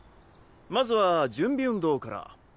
まずは準備運動から。